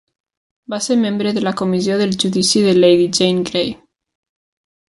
Va ser membre de la comissió del judici de Lady Jane Grey.